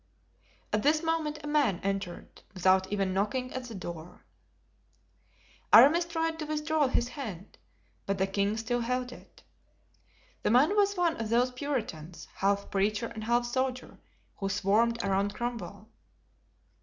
At this moment a man entered, without even knocking at the door. Aramis tried to withdraw his hand, but the king still held it. The man was one of those Puritans, half preacher and half soldier, who swarmed around Cromwell.